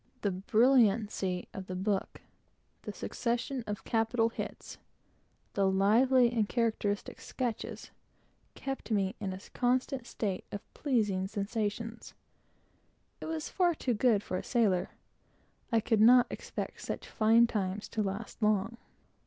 The brilliancy of the book, the succession of capital hits, lively and characteristic sketches, kept me in a constant state of pleasing sensations. It was far too good for a sailor. I could not expect such fine times to last long.